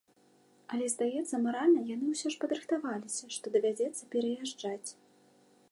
Але, здаецца, маральна яны ўсё ж падрыхтаваліся, што давядзецца пераязджаць.